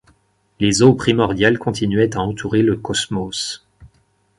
Les eaux primordiales continuaient à entourer le cosmos.